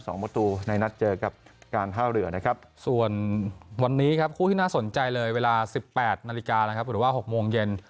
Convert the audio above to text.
ส่วนวันนี้ครับคู่ที่น่าสนใจเลยเวลา๑๘นาฬิกานะครับหรือว่า๖โมงเย็น